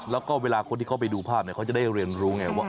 แล้วก็เวลาคนที่เขาไปดูภาพเขาจะได้เรียนรู้ไงว่า